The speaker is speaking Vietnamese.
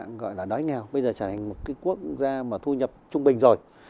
gọi là đói nghèo bây giờ trở thành một cái quốc gia mà thu nhập trung bình rồi